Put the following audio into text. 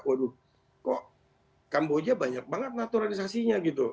waduh kok kamboja banyak banget naturalisasinya gitu